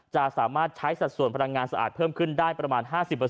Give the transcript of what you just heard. จะสามารถใช้สัดส่วนพลังงานสะอาดเพิ่มขึ้นได้ประมาณ๕๐